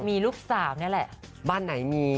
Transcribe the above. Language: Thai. มีลูกสาวนี่แหละบ้านไหนมี